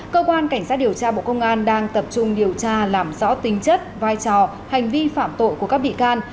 cơ quan cảnh sát điều tra bộ công an đang tập trung điều tra làm rõ tính chất vai trò hành vi phạm tội của các bị can